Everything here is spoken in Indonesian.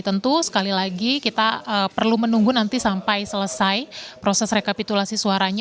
tentu sekali lagi kita perlu menunggu nanti sampai selesai proses rekapitulasi suaranya